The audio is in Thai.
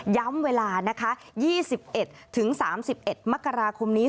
ย้ำเวลานะคะ๒๑๓๑มกราคมนี้